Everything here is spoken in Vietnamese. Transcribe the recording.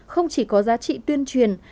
không chỉ có giá trị tuyên truyền